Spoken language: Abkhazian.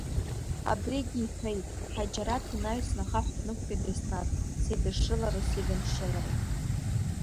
Абригь иҳәеит, Ҳаџьараҭ инаҩс ахаҳә днықәтәеит Еснаҭ сидышшылару сидымшшылару?